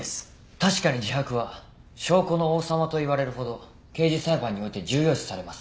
確かに自白は証拠の王様と言われるほど刑事裁判において重要視されます。